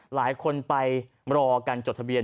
หลายคนไปรอการจดทะเบียน